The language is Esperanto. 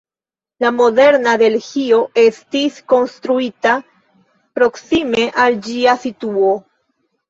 La moderna Delhio estis konstruita proksime al ĝia situo.